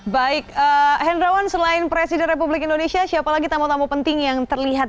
baik hendrawan selain presiden republik indonesia siapa lagi tamu tamu penting yang terlihat